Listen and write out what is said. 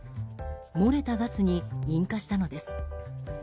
漏れたガスに引火したのです。